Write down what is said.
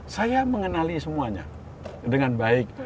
saya mengenali semuanya dengan baik